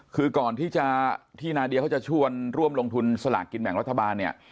คือก่อนที่นาเดียเขาจะชวนร่วมลงทุนสลากกินแบ่งรัฐบาลเนี่ย